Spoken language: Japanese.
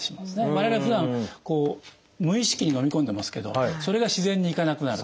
我々はふだん無意識にのみ込んでますけどそれが自然にいかなくなる。